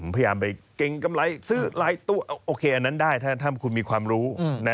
พยายามไปเกรงกำไรซื้อหลายตู้โอเคอันนั้นได้ถ้าคุณมีความรู้